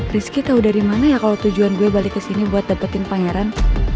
rizky tau dari mana ya kalo tujuan gue balik kesini buat dapetin pangeran